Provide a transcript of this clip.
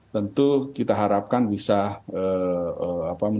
tentu kita harapkan bisa